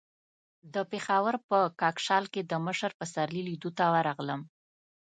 د پېښور په کاکشال کې د مشر پسرلي لیدو ته ورغلم.